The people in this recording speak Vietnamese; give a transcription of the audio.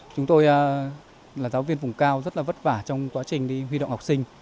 chúng tôi là giáo viên vùng cao rất là vất vả trong quá trình đi động học sinh